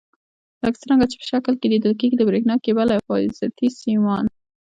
لکه څنګه چې په شکل کې لیدل کېږي د برېښنا کیبل او حفاظتي سیمان.